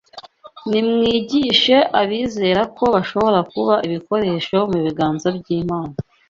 Nimwigishe abizera ko bashobora kuba ibikoresho mu biganza by’Imana